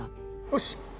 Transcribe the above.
よし。